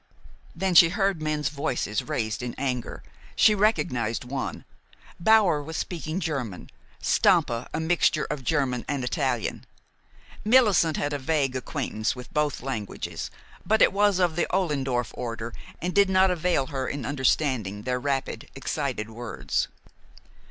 Then she heard men's voices raised in anger. She recognized one. Bower was speaking German, Stampa a mixture of German and Italian. Millicent had a vague acquaintance with both languages; but it was of the Ollendorf order, and did not avail her in understanding their rapid, excited words.